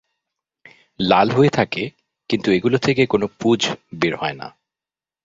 লাল হয়ে থাকে কিন্তু এগুলো থেকে কোনো পুঁজ বের হয় না।